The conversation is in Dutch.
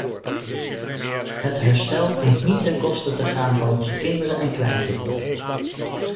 Het herstel dient niet ten koste te gaan van onze kinderen en kleinkinderen.